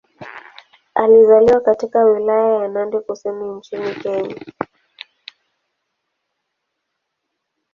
Alizaliwa katika Wilaya ya Nandi Kusini nchini Kenya.